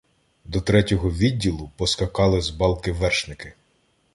До третього відділу поскакали з балки вершники.